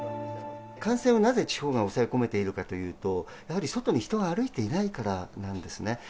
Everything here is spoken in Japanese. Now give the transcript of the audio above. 感染をなぜ地方が抑え込めているかというと、やはり外に人が歩いていないからなんですね。